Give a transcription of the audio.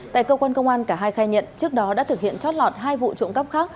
tại cơ quan công an cả hai khai nhận trước đó đã thực hiện trót lọt hai vụ trộm cắp khác